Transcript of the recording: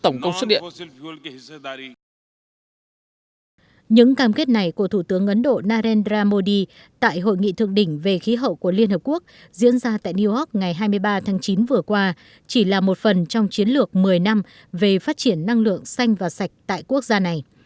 những cam kết này của thủ tướng ấn độ narendra modi tại hội nghị thượng đỉnh về khí hậu của liên hợp quốc diễn ra tại new york ngày hai mươi ba tháng chín vừa qua chỉ là một phần trong chiến lược một mươi năm về phát triển năng lượng xanh và sạch tại quốc gia này